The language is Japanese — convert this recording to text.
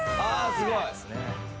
すごい！